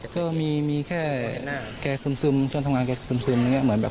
คนขี้หยอกขี้เล่นไม่มีอะไร